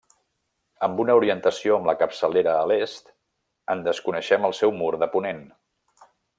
Amb una orientació amb la capçalera a l'est, en desconeixem el seu mur de ponent.